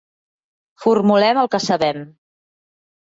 Formulem el que sabem.